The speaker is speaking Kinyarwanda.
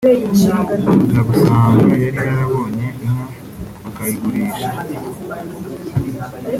nza gusanga yari yarabonye inka akayigurisha